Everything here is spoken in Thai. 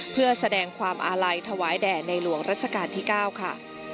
เพื่อแสดงความอาลัยถวายแด่ในหลวงรัชกาลที่๙ค่ะ